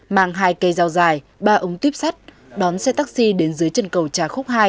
mang hai cây dao dài ba ống tuyếp sắt đón xe taxi đến dưới chân cầu trà khúc hai